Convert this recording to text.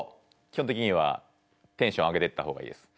基本的にはテンション上げていった方がいいです。